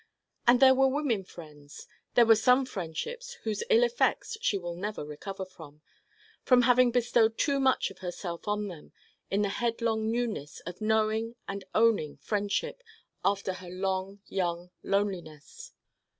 And there were women friends There were some friendships whose ill effects she will never recover from, from having bestowed too much of herself on them in the headlong newness of knowing and owning friendship after her long young loneliness.